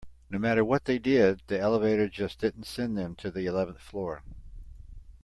No matter what they did, the elevator just didn't send them to the eleventh floor.